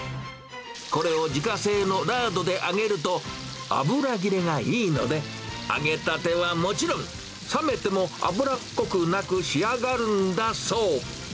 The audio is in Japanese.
これを自家製のラードで揚げると、油切れがいいので、揚げたてはもちろん、冷めても脂っこくなく仕上がるんだそう。